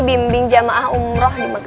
bimbing jamaah umroh di mekah